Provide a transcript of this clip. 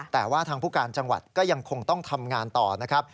แต่ว่าทางผู้การจังหวัดก็ยังคงต้องทำงานต่อนะครับ